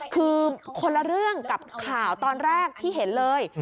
คือคนละเรื่องกับข่าวตอนแรกที่เห็นเลย